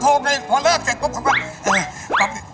ผมนึกว่าเขาโทรไปพอเริ่มเสร็จปุ๊บเขามา